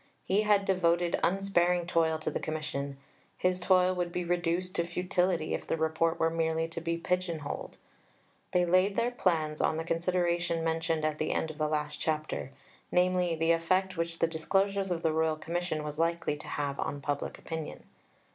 He had devoted unsparing toil to the Commission; his toil would be reduced to futility if the Report were merely to be pigeon holed. They laid their plans on the consideration mentioned at the end of the last chapter namely, the effect which the disclosures of the Royal Commission was likely to have on public opinion.